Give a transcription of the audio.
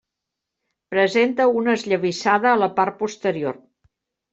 Presenta una esllavissada a la part posterior.